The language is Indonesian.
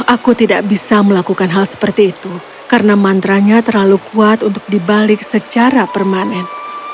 aku tidak bisa melakukan hal seperti itu karena mantranya terlalu kuat untuk dibalik secara permanen